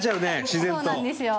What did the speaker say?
そうなんですよ。